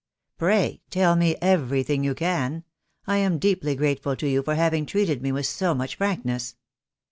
"Pray, tell me everything you can. I am deeply grateful to you for having treated me with so much frank ness."